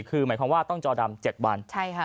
คือหมายความว่าต้องจอดำ๗วัน